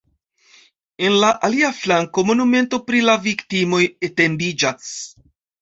En la alia flanko monumento pri la viktimoj etendiĝas.